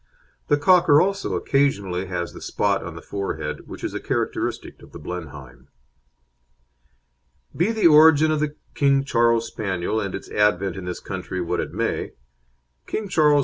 The Cocker also occasionally has the spot on the forehead which is a characteristic of the Blenheim. Be the origin of the King Charles Spaniel, and its advent in this country, what it may, King Charles II.